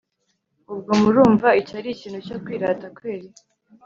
ubwo murumva icyo ari ikintu cyo kwirata kweri